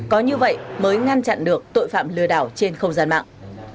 có như vậy mới ngăn chặn được tội phạm lừa đảo trên không gian mạng